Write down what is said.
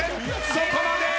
そこまで！